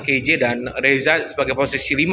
keje dan reza sebagai posisi lima